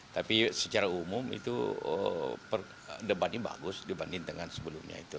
tapi secara umum itu debatnya bagus dibanding dengan sebelumnya itu